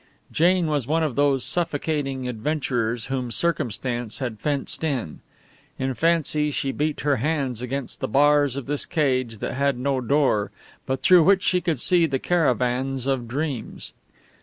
Jane was one of those suffocating adventurers whom circumstance had fenced in. In fancy she beat her hands against the bars of this cage that had no door, but through which she could see the caravans of dreams.